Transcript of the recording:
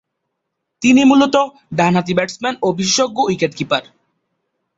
তিনি মূলতঃ ডানহাতি ব্যাটসম্যান ও বিশেষজ্ঞ উইকেট-কিপার।